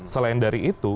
selain dari itu